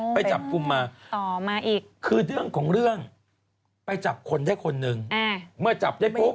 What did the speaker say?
ไปจับกลุ่มมาต่อมาอีกคือเรื่องของเรื่องไปจับคนได้คนหนึ่งเมื่อจับได้ปุ๊บ